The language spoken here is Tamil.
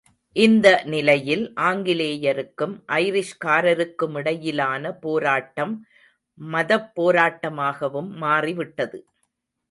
இந்த நிலையில் ஆங்கிலேயருக்கும் ஐரிஷ்காரருக்கிமிடையிலான போராட்டம் மதப்போராட்டமாகவும் மாறிவிட்டது.